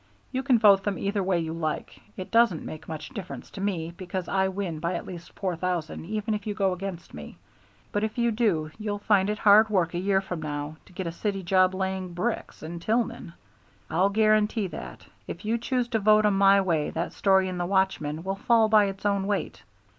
You can vote them either way you like. It doesn't make much difference to me because I win by at least four thousand even if you go against me. But if you do, you'll find it hard work a year from now to get a city job laying bricks in Tillman. I'll guarantee that. If you choose to vote 'em my way that story in The Watchman will fall by its own weight.